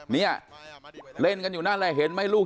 นี่เล่นกันอยู่นั่นแหละเห็นไหมลูก